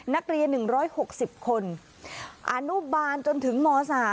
นักเรียน๑๖๐คนอนุบาลจนถึงม๓